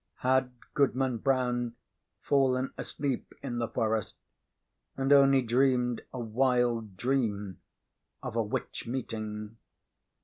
Had Goodman Brown fallen asleep in the forest and only dreamed a wild dream of a witch meeting?